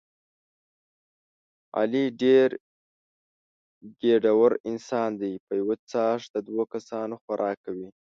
علي ډېر ګېډور انسان دی په یوه څاښت د دوه کسانو خوراک کوي.